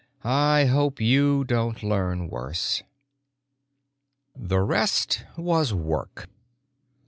"I hope you don't learn worse." The rest was work.